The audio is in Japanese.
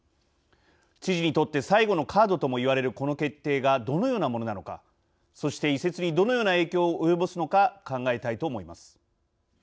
知事にとって最後のカードともいわれるこの決定がどのようなものなのかそして移設にどのような影響を及ぼすのか考えたいと思います。